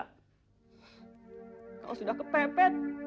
kau sudah kepepet